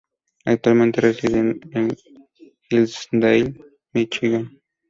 Actualmente reside en Hillsdale, Michigan.